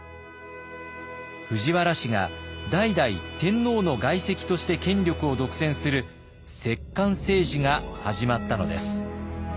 藤原氏が代々天皇の外戚として権力を独占する摂関政治が始まったのです。